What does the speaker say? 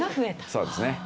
そうですね。